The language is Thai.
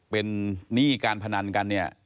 เป็นหนี้การพนันกันเนี่ย